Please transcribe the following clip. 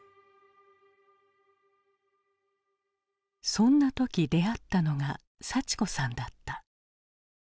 そんな時出会ったのが幸子さんだった。